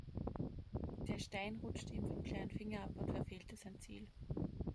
Der Stein rutschte ihm vom kleinen Finger ab und verfehlte sein Ziel.